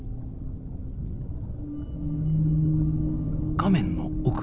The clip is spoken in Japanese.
画面の奥。